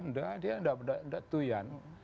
nggak dia nggak nggak nggak tuh ya